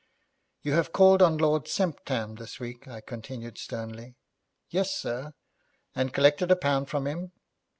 'You have called on Lord Semptam this week,' I continued sternly. 'Yes, sir.' 'And collected a pound from him?'